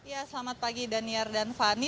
ya selamat pagi daniar dan fani